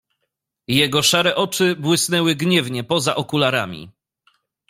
"Jego szare oczy błysnęły gniewnie poza okularami."